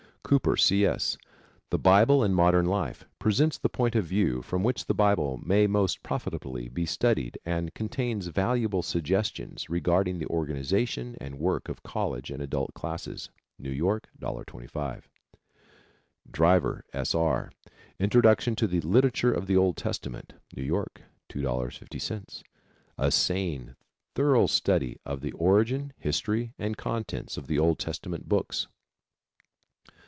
Cooper, C. S., The Bible and Modern Life. Presents the point of view from which the Bible may most profitably be studied and contains valuable suggestions regarding the organization and work of college and adult classes. New York, $1.25. Driver, S. R., Introduction to the Literature of the Old Testament. New York, $2.50. A sane, thorough study of the origin, history, and contents of the Old Testament books.'